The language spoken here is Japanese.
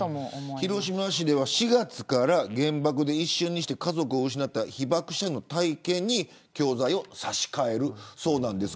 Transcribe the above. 広島市では４月から原爆で家族を失った被爆者の体験に教材を差し替えるそうです。